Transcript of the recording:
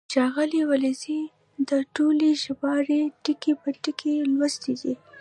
ښاغلي ولیزي دا ټولې ژباړې ټکی په ټکی لوستې دي.